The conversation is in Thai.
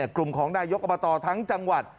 กลุ่มของนายกอบตทั้งจังหวัด